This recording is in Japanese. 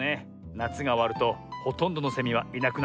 なつがおわるとほとんどのセミはいなくなっちゃうのさ。